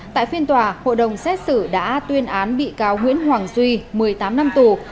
tại phiên tòa hội đồng xét xử đã tuyên án bị cáo nguyễn hoàng duy một mươi tám năm tù